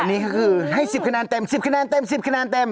อันนี้ก็คือให้๑๐คะแนนเต็ม๑๐คะแนนเต็ม๑๐คะแนนเต็ม